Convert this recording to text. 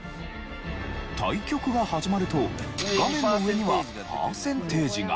対局が始まると画面の上にはパーセンテージが。